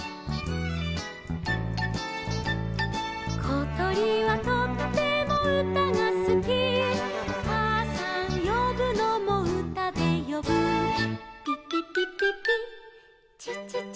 「ことりはとってもうたがすき」「かあさんよぶのもうたでよぶ」「ぴぴぴぴぴちちちちち」